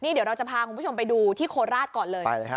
เดี๋ยวเราจะพาคุณผู้ชมไปดูที่โคราชก่อนเลย